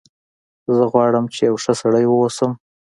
زه غواړم چې یو ښه سړی و اوسم